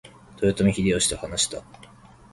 豊臣秀吉と話した。